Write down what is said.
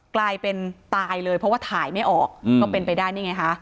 กลายเป็นตายเลยเพราะว่าถ่ายไม่ออกก็เป็นไปได้นี่ไงคะ